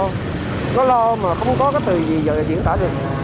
nó lo mà không có cái từ gì giờ diễn tả được